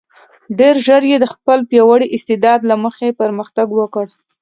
ډېر ژر یې د خپل پیاوړي استعداد له مخې پرمختګ وکړ.